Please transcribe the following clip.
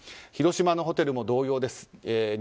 広島のホテルも同様です。